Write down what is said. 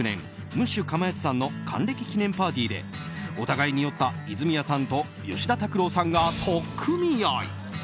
ムッシュかまやつさんの還暦記念パーティーでお互いに酔った泉谷さんと吉田拓郎さんが取っ組み合い！